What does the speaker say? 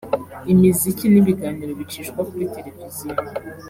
imiziki n’ibiganiro bicishwa kuri televiziyo